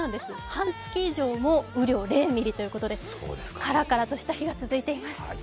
半月以上も雨量０ミリということで、からからとした日が続いています。